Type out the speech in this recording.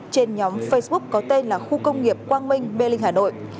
trên nhóm facebook có tên là khu công nghiệp quang minh mê linh hà nội